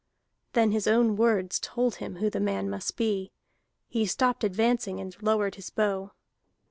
Then his own words told him who the man must be; he stopped advancing, and lowered his bow.